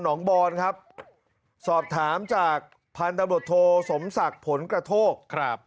งบอนครับสอบถามจากพันธบทโทสมศักดิ์ผลกระโทกครับ